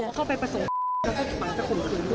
เขาก็เข้าไปประสงค์